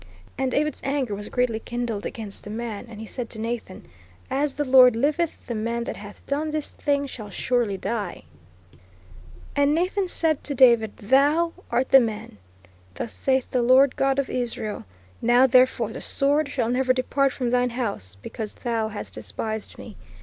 "And David's anger was greatly kindled against the man; and he said to Nathan, As the Lord liveth, the man that hath done this thing shall surely die: ... "And Nathan said to David, Thou art the man. Thus saith the Lord God of Israel ... Now therefore the sword shall never depart from thine house; because thou has despised me